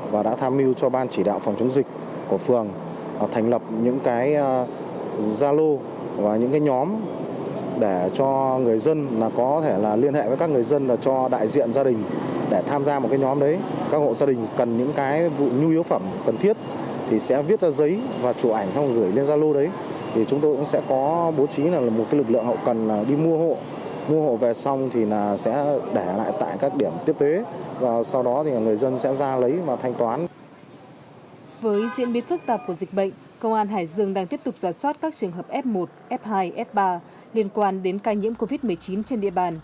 với diễn biến phức tạp của dịch bệnh công an hải dương đang tiếp tục giả soát các trường hợp f một f hai f ba liên quan đến ca nhiễm covid một mươi chín trên địa bàn